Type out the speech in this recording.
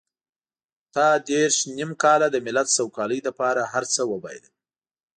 تا دېرش نيم کاله د ملت سوکالۍ لپاره هر څه وبایلل.